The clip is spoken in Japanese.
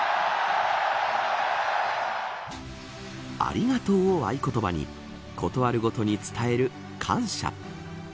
ありがとうを合言葉に事あるごとに伝える感謝。